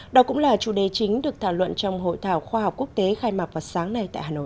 đó cũng là chủ đề chính được thảo luận trong hội thảo khoa học quốc tế khai mạc vào sáng nay tại hà nội